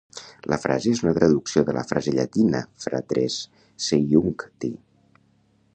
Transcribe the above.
La frase és una traducció de la frase llatina "fratres seiuncti".